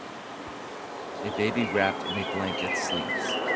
A baby wrapped in a blanket sleeps.